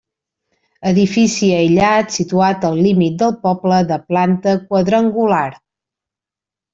Edifici aïllat, situat al límit del poble, de planta quadrangular.